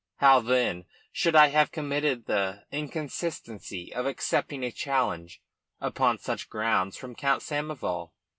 How, then, should I have committed the inconsistency of accepting a challenge upon such grounds from Count Samoval?